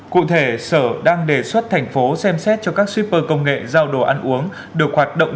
cụ thể sở đang đề xuất thành phố xem xét cho các shipper công nghệ giao đồ ăn uống được hoạt động